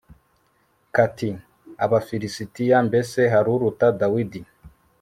kati abafilisitiya mbese haruruta dawidi